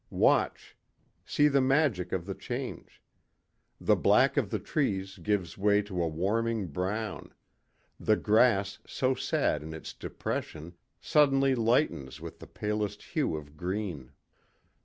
Watch. See the magic of the change. The black of the trees gives way to a warming brown; the grass, so sad in its depression, suddenly lightens with the palest hue of green.